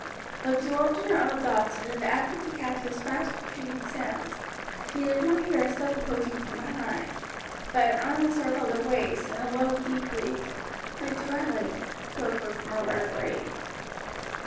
Absorbed in her own thoughts, and in the effort to catch those fast retreating sounds, she did not hear a step approaching from behind; but an arm encircled her waist, and a low breathed "My darling" woke her from her reverie.